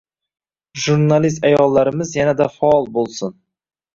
Jurnalist ayollarimiz yanada faol bo‘lsinng